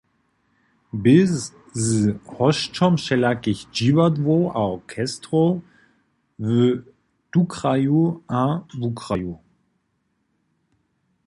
Bě z hosćom wšelakich dźiwadłow a orchestrow w tukraju a wukraju.